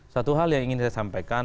satu hal yang ingin saya sampaikan